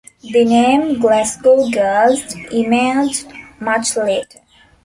The name "Glasgow Girls" emerged much later.